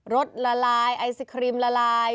สละลายไอศครีมละลาย